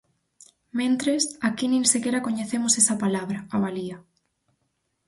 "Mentres, aquí nin sequera coñecemos esa palabra", avalía.